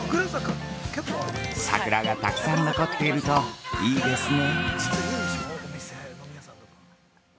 桜がたくさん残っているといいですね。